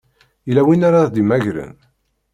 Yella win ara ɣ-d-imagren?